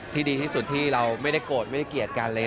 ที่ดีที่สุดที่เราไม่ได้โกรธไม่ได้เกลียดกันอะไรอย่างนี้